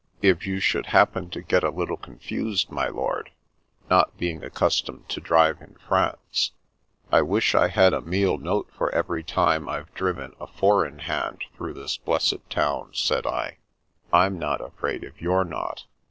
If you should happen to get a little confused, my lord, not being accustomed to drive in France "" I wish I had a mille note for every time I've driven a four in hand through this blessed town," said I. " I'm not afraid if you're not."